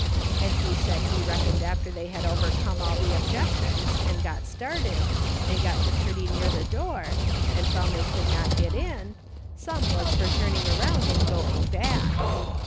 And he said he reckoned after they had overcome all the objections and got started, and got to pretty ]iear the door, and found they could not get in, some was for turniu.i around and i.:oing back.